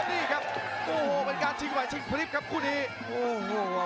ประเภทมัยยังอย่างปักส่วนขวา